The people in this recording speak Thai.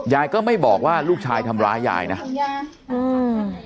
ยายก็ไม่บอกว่าลูกชายทำร้ายยายนะยายอืม